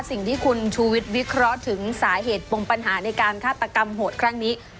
สิ่งที่คุณชูวิทย์วิเคราะห์ถึงสาเหตุปมปัญหาในการฆาตกรรมโหดครั้งนี้